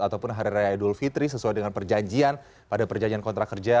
ataupun hari raya idul fitri sesuai dengan perjanjian pada perjanjian kontrak kerja